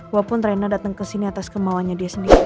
walaupun reina dateng kesini atas kemauannya dia sendiri